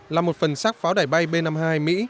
là một phần xác pháo đài bay b năm mươi hai mỹ